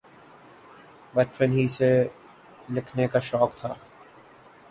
بچپن ہی سے لکھنے کا شوق تھا۔